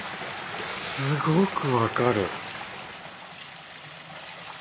すごく分かる。